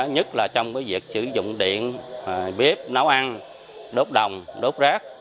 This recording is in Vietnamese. nhất là trong việc sử dụng điện bếp nấu ăn đốt đồng đốt rác